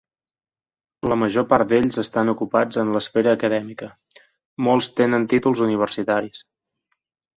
La major part d'ells estan ocupats en l'esfera acadèmica, molts tenen títols universitaris.